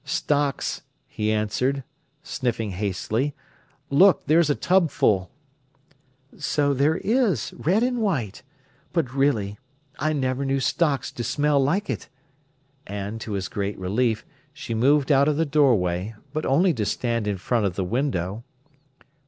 "Stocks!" he answered, sniffing hastily. "Look, there's a tubful." "So there is—red and white. But really, I never knew stocks to smell like it!" And, to his great relief, she moved out of the doorway, but only to stand in front of the window.